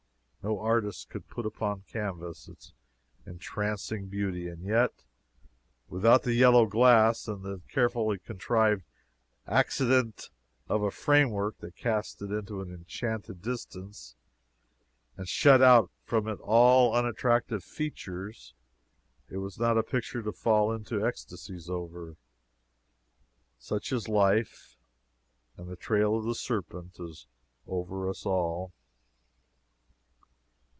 No artist could put upon canvas, its entrancing beauty, and yet, without the yellow glass, and the carefully contrived accident of a framework that cast it into enchanted distance and shut out from it all unattractive features, it was not a picture to fall into ecstasies over. Such is life, and the trail of the serpent is over us all.